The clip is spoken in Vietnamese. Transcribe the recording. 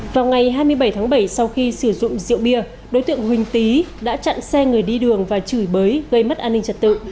vào ngày hai mươi bảy tháng bảy sau khi sử dụng rượu bia đối tượng huỳnh tý đã chặn xe người đi đường và chửi bới gây mất an ninh trật tự